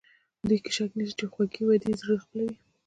دې کې شک نشته چې خوږې وعدې زړه خپلوي.